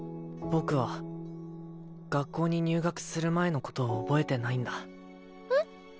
僕は学校に入学する前のことを覚えてないんだえっ？